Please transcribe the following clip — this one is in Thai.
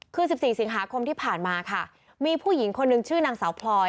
คือ๑๔สิงหาคมที่ผ่านมาค่ะมีผู้หญิงคนหนึ่งชื่อนางสาวพลอย